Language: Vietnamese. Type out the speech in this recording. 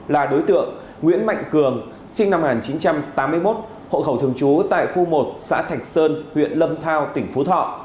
là đối tượng nguyễn mạnh cường sinh năm một nghìn chín trăm tám mươi một hộ khẩu thường trú tại khu một xã thạch sơn huyện lâm thao tỉnh phú thọ